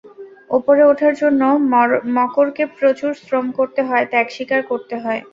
ওপরে ওঠার জন্য মকরকে প্রচুর শ্রম করতে হয়, ত্যাগ স্বীকার করতে হয়।